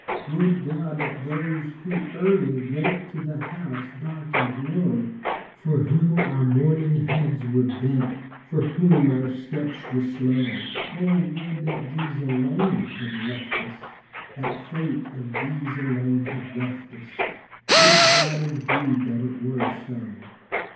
Would God that those who early went To the house dark and low, For whom our mourning heads were bent, For whom our steps were slow; O, would that these alone had left us, That Fate of these alone had reft us, Would God indeed that it were so!